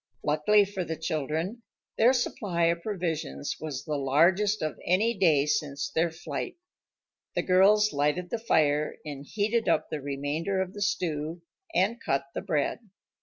Luckily for the children, their supply of provisions was the largest of any day since their flight. The girls lighted the fire and heated up the remainder of the stew and cut the bread.